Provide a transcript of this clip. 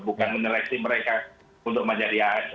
bukan menyeleksi mereka untuk menjadi aset